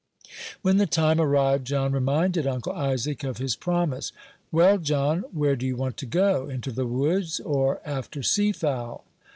When the time arrived, John reminded Uncle Isaac of his promise. "Well, John, where do you want to go? into the woods, or after sea fowl?"